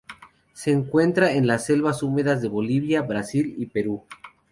Se encuentra en las selvas húmedas de Bolivia, Brasil y Perú.